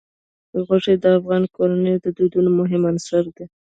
غوښې د افغان کورنیو د دودونو مهم عنصر دی.